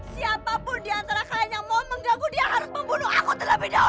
siapapun di antara kalian yang mau mengganggu dia harus membunuh aku terlebih dahulu